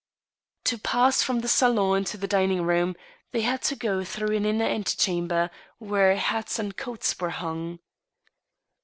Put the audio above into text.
To pass from the salon into the dining room, they had to go through an inner antechamber, where hats and coats were hung.